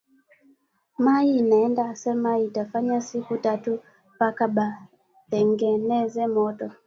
Mayi inaenda asema ita fanya siku tatu paka ba tengeneze moto